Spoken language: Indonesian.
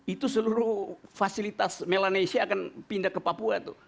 itu seluruh fasilitas melanesia akan pindah ke papua tuh